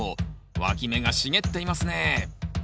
わき芽が茂っていますね